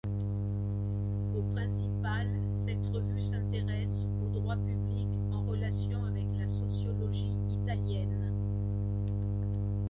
Au principal, cette revue s'intéresse au droit public en relation avec la sociologie italienne.